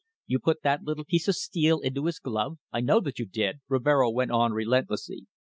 You put that little piece of steel into his glove. I know that you did," Rivero went on relentlessly.